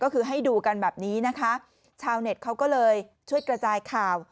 ก็คือให้ดูกันแบบนี้นะคะชาวเน็ตเขาก็เลยช่วยกระจายข่าว